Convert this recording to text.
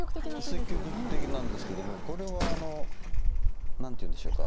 積極的なんですけどもこれは何ていうんでしょうか。